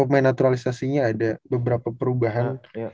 pemain naturalisasinya ada beberapa perubahan